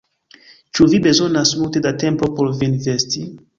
Ĉu vi bezonas multe da tempo por vin vesti?